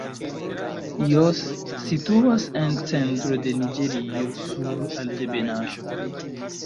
Jos situas en centro de Niĝerio sur altebenaĵo.